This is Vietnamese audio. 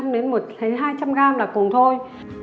một trăm linh đến hai trăm linh gram là cùng thôi